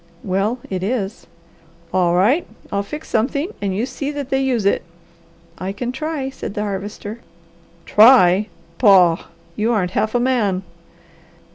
"Well, it is." "All right I'll fix something, and you see that they use it." "I can try," said the Harvester. "Try! Pah! You aren't half a man!"